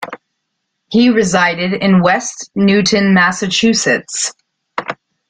He resided in West Newton, Massachusetts.